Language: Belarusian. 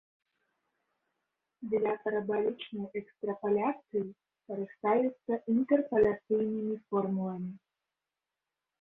Для парабалічнай экстрапаляцыі карыстаюцца інтэрпаляцыйнымі формуламі.